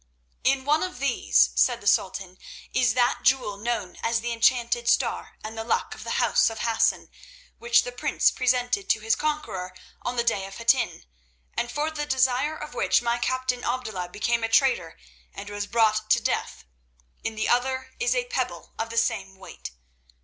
"In one of these," said the Sultan, "is that jewel known as the enchanted Star and the Luck of the House of Hassan, which the prince presented to his conqueror on the day of Hattin, and for the desire of which my captain Abdullah became a traitor and was brought to death. In the other is a pebble of the same weight.